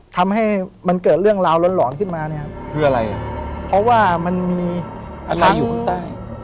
ทำให้มันเกิดเรื่องราวหลอนหอนขึ้นมาเนี่ยคืออะไรเพราะว่ามันมีอะไรอยู่ข้างใต้